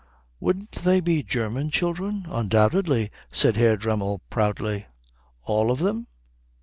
"Wouldn't they be German children?" "Undoubtedly," said Herr Dremmel proudly. "All of them?"